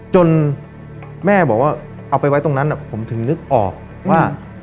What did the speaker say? จนแม่บอกว่าเอาไปไว้ตรงนั้นผมถึงนึกออกว่า